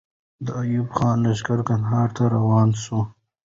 د ایوب خان لښکر کندهار ته روان سو.